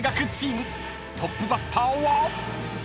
［トップバッターは］